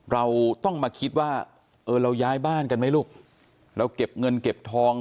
เราเก็บเงินเก็บทอง